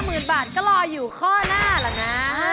เงิน๕๐๐๐๐บาทก็รออยู่ข้อหน้าแล้วนะ